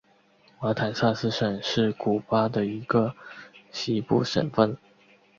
马坦萨斯省是古巴的一个西部省份。